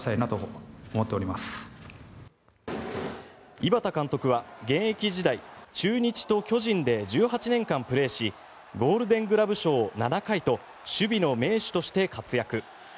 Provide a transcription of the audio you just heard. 井端監督は現役時代中日と巨人で１８年間プレーしゴールデングラブ賞７回と守備の名手として活躍。